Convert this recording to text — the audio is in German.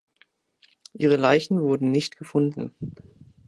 Ihre Leichen wurden nicht gefunden.